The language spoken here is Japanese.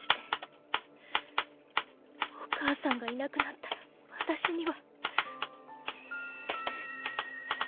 お母さんがいなくなったら私には。